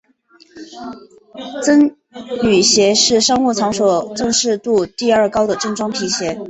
僧侣鞋是商务场所正式度第二高的正装皮鞋。